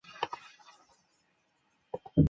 非经许可不得停泊和下锚。